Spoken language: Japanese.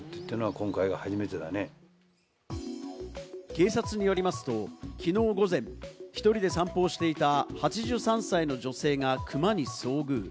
警察によりますと、きのう午前、１人で散歩をしていた、８３歳の女性がクマに遭遇。